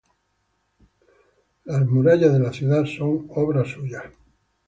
Las murallas de la ciudad son obra suya.